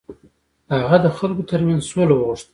هغه د خلکو تر منځ سوله وغوښته.